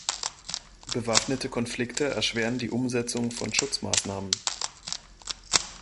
Bewaffnete Konflikte erschweren die Umsetzung von Schutzmaßnahmen.